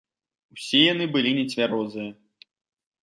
Усе яны былі нецвярозыя.